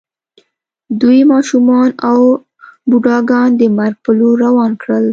دوی ماشومان او بوډاګان د مرګ په لور روان کړل